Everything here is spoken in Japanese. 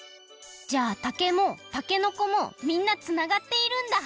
じゃあ竹もたけのこもみんなつながっているんだ！